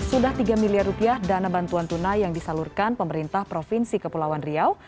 sudah tiga miliar rupiah dana bantuan tunai yang disalurkan pemerintah provinsi kepulauan riau